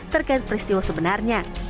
terkait peristiwa sebenarnya